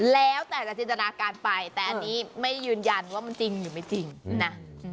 แล้วแต่จะจินตนาการไปแต่อันนี้ไม่ยืนยันว่ามันจริงหรือไม่จริงนะ